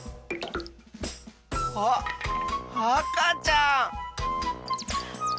あっあかちゃん！